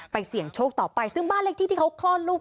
ไปเสี่ยงโชคต่อไปซึ่งบ้านเล็กที่เขาคลอร์นลูก